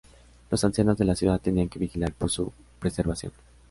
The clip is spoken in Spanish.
Los ancianos de la ciudad tenían que vigilar por su preservación.